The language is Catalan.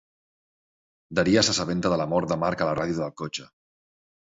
Daria s'assabenta de la mort de Mark a la ràdio del cotxe.